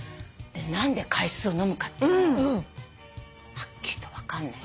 何で海水を飲むかっていうのははっきりと分かんない。